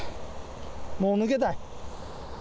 もう抜けたい。